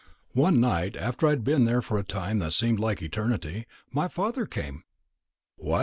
One night, after I had been there for a time that seemed like eternity, my father came " "What!"